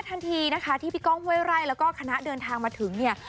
ทันทีนะคะที่พี่ก้องห้วยไร่แล้วก็คณะเดินทางมาถึงเนี่ย